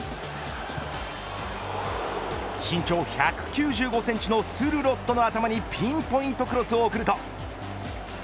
身長１９５センチのスルロットの頭にピンポイントクロスを送ると。